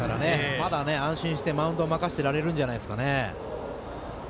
まだ、安心してマウンドを任せてられるんじゃないですかね。